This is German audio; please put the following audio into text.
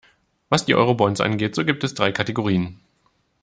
Was die Eurobonds angeht, so gibt es drei Kategorien.